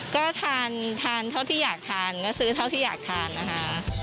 ก็ทานเท่าที่อยากทานก็ซื้อเท่าที่อยากทานนะคะ